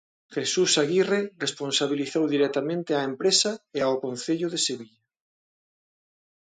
Jesús Aguirre responsabilizou directamente á empresa e ao Concello de Sevilla.